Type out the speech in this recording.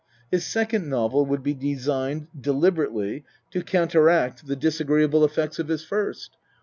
His second novel would be designed, deliberately, to counteract the disagreeable effects of his first.